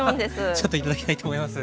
ちょっと頂きたいと思います。